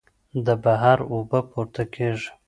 د بحر اوبه پورته کېږي.